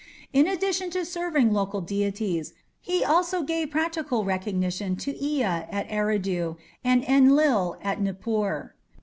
In addition to serving local deities, he also gave practical recognition to Ea at Eridu and Enlil at Nippur.